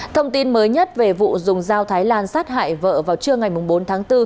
thông tin mới nhất về vụ dùng dao thái lan sát hại vợ vào trưa ngày bốn tháng bốn